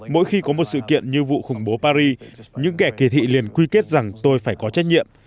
mỗi khi có một sự kiện như vụ khủng bố paris những kẻ kỳ thị liền quy kết rằng tôi phải có trách nhiệm